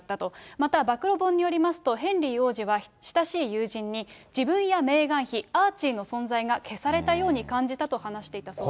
また、暴露本によりますと、ヘンリー王子は親しい友人に、自分やメーガン妃、アーチーの存在が消されたように感じたと話していたそうです。